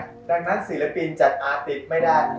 ดังนั้นศิลปินจัดอาติไม่ได้